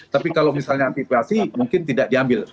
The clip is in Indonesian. tapi kalau misalnya anti pilasi mungkin tidak diambil